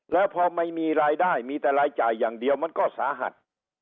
แล้วพอไม่มีรายได้มีแต่รายจ่ายอย่างเดียวมันก็สาหัส